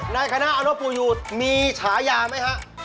นายคณะอปูยูมีฉายาไหมครับ